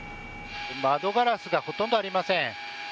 窓ガラスがほとんどありません。